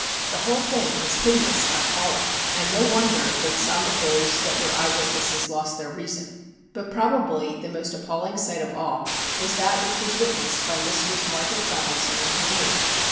The whole thing was hideous and appalling, and no wonder that some of those that were eye witnesses lost their reason. But probably the most appalling sight of all was that which was witnessed by Mistress Margaret Donaldson and her maid.